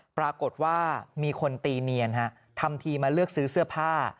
ปรากฏว่ามีคนตีเนียนทำทีมาเลือกซื้อเสื้อผ้า